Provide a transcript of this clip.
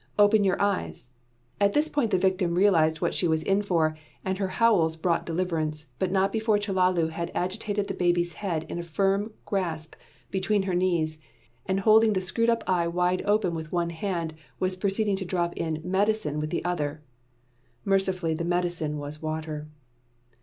"Open your eyes!" At this point the victim realised what she was in for, and her howls brought deliverance; but not before Chellalu had the agitated baby's head in a firm grip between her knees, and holding the screwed up eye wide open with one hand, was proceeding to drop in "medicine" with the other. Mercifully the medicine was water.